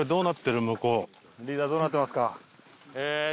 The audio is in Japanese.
リーダーどうなってますか？